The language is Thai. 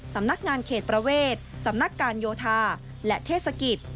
สำนักงานเขตประเวทสำนักการโยธาและเทศกิจ